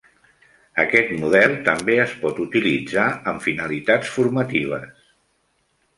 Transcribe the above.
Aquest model també es pot utilitzar amb finalitats formatives.